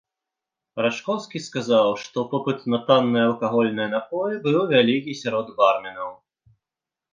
Рачкоўскі сказаў, што попыт на танныя алкагольныя напоі быў вялікі сярод барменаў.